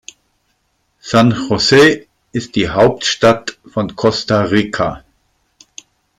San José ist die Hauptstadt von Costa Rica.